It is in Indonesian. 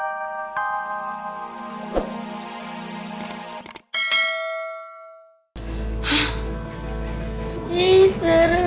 ada menjadi takut